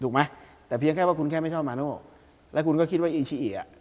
ไหมแต่เพียงแค่ว่าคุณแค่ไม่ชอบมาโน่แล้วคุณก็คิดว่าอีชิอิอ่ะ